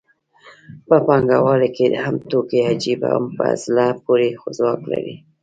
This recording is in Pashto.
په پانګوالۍ کې هم توکي عجیب او په زړه پورې ځواک لري